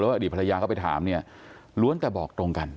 อดีตภรรยาเข้าไปถามเนี่ยล้วนแต่บอกตรงกัน